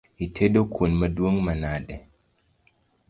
Itedo kuon maduong’ manade?